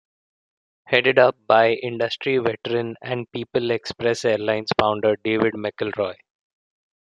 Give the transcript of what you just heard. Headed up by industry veteran and People Express Airlines founder David McElroy.